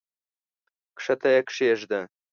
کښته یې کښېږده!